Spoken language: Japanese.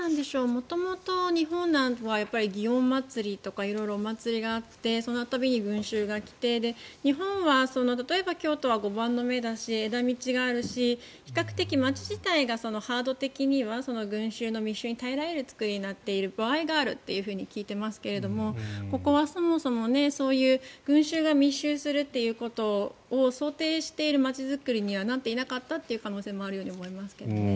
元々、日本なんかは祇園祭とか色々お祭りがあってその度に、群衆が来て日本は例えば京都は碁盤の目だし枝道があるし比較的、街自体がハード的には群衆の密集に耐えられる作りになっている場合があると聞いていますけれどもここはそもそもそういう群衆が密集するということを想定している街作りにはなっていなかったという可能性もあるように思いますけどね。